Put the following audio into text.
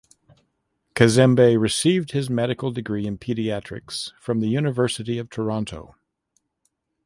Kazembe received his medical degree in pediatrics from the University of Toronto.